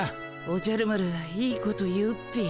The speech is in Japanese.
おじゃる丸いいこと言うっピィ。